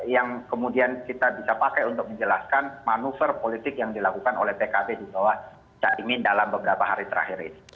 yang kemudian kita bisa pakai untuk menjelaskan manuver politik yang dilakukan oleh pkb di bawah caimin dalam beberapa hari terakhir ini